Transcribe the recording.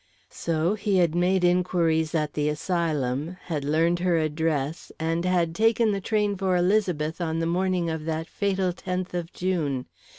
So he had made inquiries at the asylum, had learned her address, and had taken the train for Elizabeth on the morning of that fatal tenth of June.